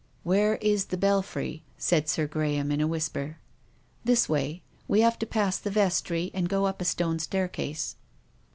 " Where is the belfry? " said Sir Graham in a whisper. " This way. We have to pass the vestry and go up a stone staircase."